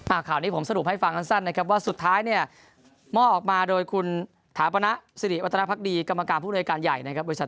อ่าข่าวนี้ผมสรุปให้ฟังทั้งสั้นนะครับว่าสุดท้ายเนี่ย